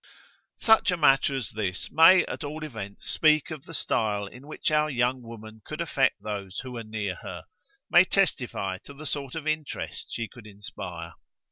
Such a matter as this may at all events speak of the style in which our young woman could affect those who were near her, may testify to the sort of interest she could inspire.